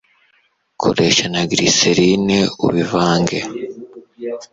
koresha na glycerine ubivange